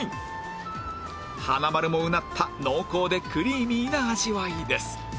華丸も唸った濃厚でクリーミーな味わいです